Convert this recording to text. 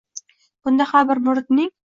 Bunda har bir muridning